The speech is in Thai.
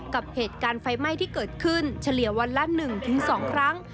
กับเหตุการณ์ไฟไหม้ที่เกิดขึ้นเฉลี่ยวันละ๑๒ครั้ง